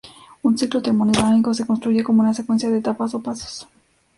Un ciclo termodinámico se construye como una secuencia de etapas o pasos.